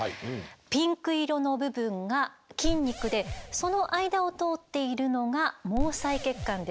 ピンク色の部分が筋肉でその間を通っているのが毛細血管です。